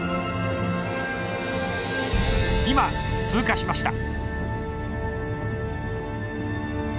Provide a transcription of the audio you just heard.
今通過しました